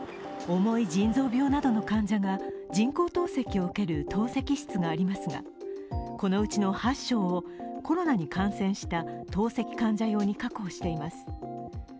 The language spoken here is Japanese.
重い腎臓病などの患者が人工透析を受ける透析室がありますが、このうちの８床をコロナに感染した透析患者用に確保しています。